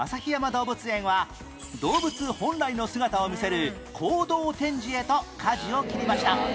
動物園は動物本来の姿を見せる行動展示へと舵を切りました